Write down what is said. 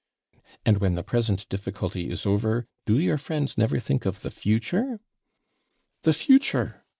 'And when the present difficulty is over, do your friends never think of the future?' 'The future!